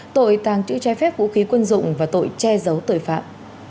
tội tàng trữ trái phép vũ khí quân dụng và tội che giấu tội phạm